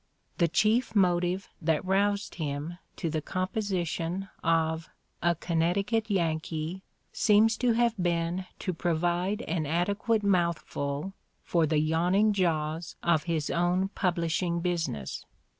The chief motive that roused him to the composition of "A Connecticut Yankee" seems to have been to provide an adequate mouthful for the ya wning jaws of his own publishing business.